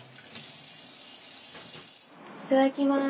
いただきます。